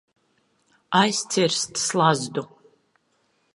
Aizcirst slazdu.